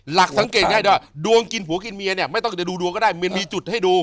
หลักสังเกตง่ายว่าดวงกินผัวกินเมียเนี่ยไม่ต้องจะดูดวงก็ได้มันมีจุดให้ดู